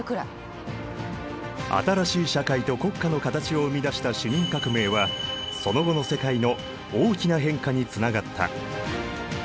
新しい社会と国家の形を生み出した市民革命はその後の世界の大きな変化につながった。